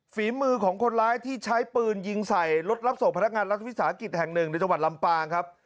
ฝีมือของคนร้ายที่ใช้ปืนยิงใส่รถรับส่งพนักงานรัฐวิสาหกิจแห่งหนึ่งในจังหวัดลำปางครับ